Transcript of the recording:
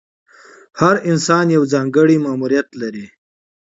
هر انسان یو ځانګړی ماموریت لري.